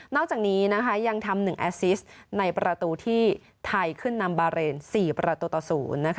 นอกจากนี้ยังทำ๑อาซิสต์ในประตูที่ไทยขึ้นนำบาร์เรน๔ประตูต่อ๐